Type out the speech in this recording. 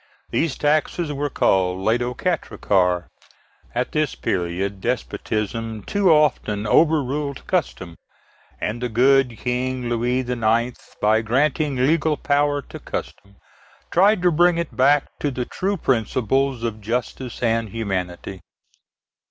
These taxes were called l'aide aux quatre cas. At this period despotism too often overruled custom, and the good King Louis IX., by granting legal power to custom, tried to bring it back to the true principles of justice and humanity.